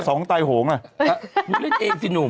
เป็นการกระตุ้นการไหลเวียนของเลือด